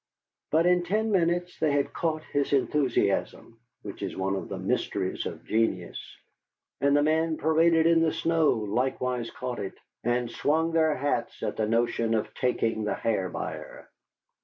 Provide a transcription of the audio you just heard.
But in ten minutes they had caught his enthusiasm (which is one of the mysteries of genius). And the men paraded in the snow likewise caught it, and swung their hats at the notion of taking the Hair Buyer.